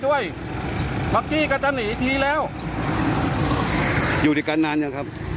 เมื่อกี้ก็จะหนีอีกทีแล้วอยู่ด้วยกันนานยังครับ